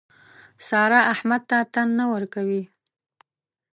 سارا احمد ته تن نه ورکوي.